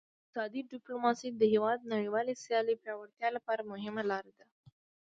اقتصادي ډیپلوماسي د هیواد نړیوال سیالۍ پیاوړتیا لپاره مهمه لار ده